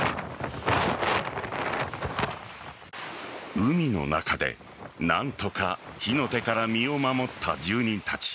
海の中で、何とか火の手から身を守った住民たち。